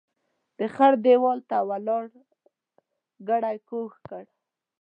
د خړ ديوال ته ولاړ ګړی کوږ کړ.